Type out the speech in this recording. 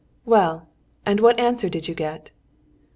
"Well! and what answer did you get?"